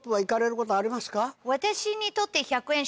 私にとって。